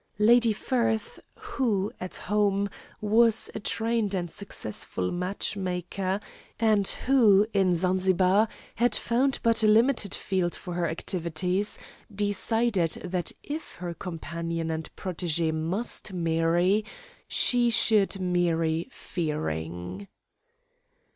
Lady Firth, who, at home, was a trained and successful match maker, and who, in Zanzibar, had found but a limited field for her activities, decided that if her companion and protegee must marry, she should marry Fearing.